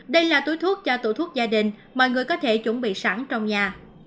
đây là túi thuốc cho tủ thuốc gia đình mọi người có thể chuẩn bị sẵn trong nhà